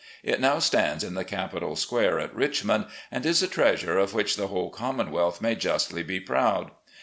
It now stands in the Capitol Square at Richmond, and is a treasure of which the whole Commonwealth may justly be proud.